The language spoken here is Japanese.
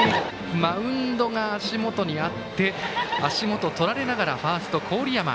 マウンドが足元にあって足元とられながらファースト、郡山。